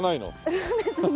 そうですね。